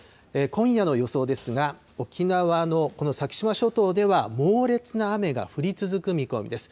今夜の予想ですが、沖縄のこの先島諸島では猛烈な雨が降り続く見込みです。